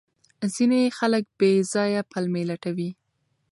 ځینې خلک بې ځایه پلمې لټوي.